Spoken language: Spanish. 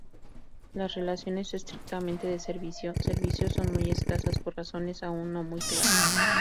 Las relaciones estrictamente de servicio-servicio son muy escasas por razones aún no muy claras.